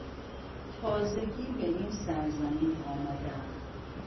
تازگی به این سرزمین آمدهام.